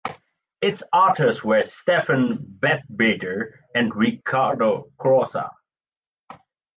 Its authors were Stephane Betbeder and Riccardo Crosa.